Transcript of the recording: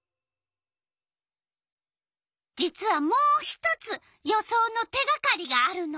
実はもう１つ予想の手がかりがあるの。